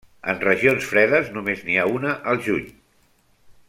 En regions fredes només n'hi ha una al juny.